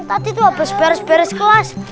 tadi tuh apa seperes peres kelas